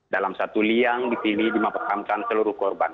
dalam satu liang di sini dimakamkan seluruh korban